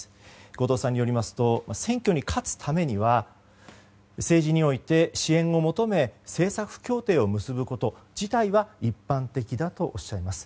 後藤さんによりますと選挙に勝つためには政治において支援を求め政策協定を結ぶこと自体は一般的だとおっしゃいます。